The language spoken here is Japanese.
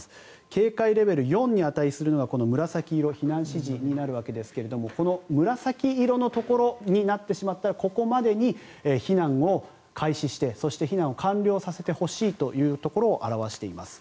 警戒レベル４に値するのが紫色避難指示なんですがこの紫色になってしまったここまでに避難を開始してそして避難を完了させてほしいというところを表しています。